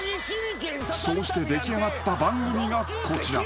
［そうして出来上がった番組がこちら］